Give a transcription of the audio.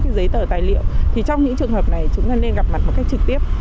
cái giấy tờ tài liệu thì trong những trường hợp này chúng ta nên gặp mặt một cách trực tiếp